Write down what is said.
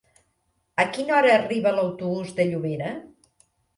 A quina hora arriba l'autobús de Llobera?